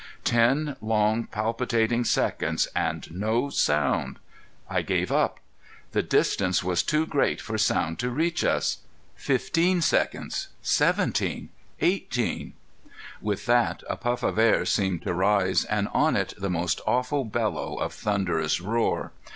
Ten long palpitating seconds and no sound! I gave up. The distance was too great for sound to reach us. Fifteen seconds seventeen eighteen With that a puff of air seemed to rise, and on it the most awful bellow of thunderous roar.